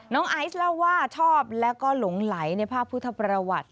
น้องไอซเล่าว่าชอบและก็หลงหลายในภาพพุทธประวัติ